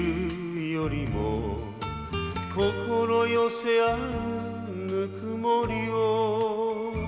「心よせあうぬくもりを」